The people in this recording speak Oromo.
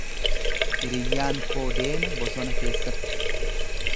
Hiriyyaan koo deema bosona keessatti.